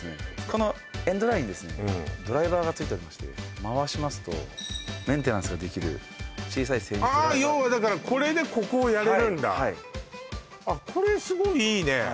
このエンドラインにですねドライバーがついておりまして回しますとメンテナンスができる小さいああ要はだからこれでここをやれるんだはいはいあっこれすごいいいね